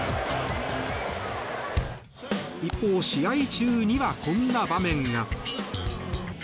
一方、試合中にはこんな場面が。